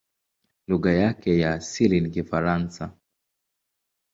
Lugha yake ya asili ni Kifaransa.